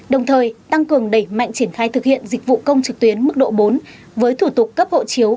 đồng thời tăng cường đẩy mạnh triển khai thực hiện dịch vụ công trực tuyến mức độ bốn với thủ tục cấp hộ chiếu